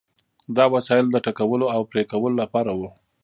دا وسایل د ټکولو او پرې کولو لپاره وو.